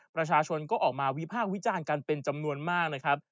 ประชาชนก็ออกมาวิพากษ์วิจารณ์กันเป็นจำนวนมากนะครับ